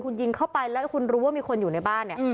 คุณยิงเข้าไปแล้วคุณรู้ว่ามีคนอยู่ในบ้านเนี่ย